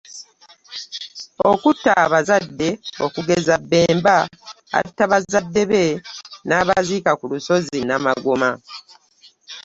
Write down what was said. Okutta abazadde okugeza Bemba atta bazadde be n’abaziika ku lusozi Namagoma.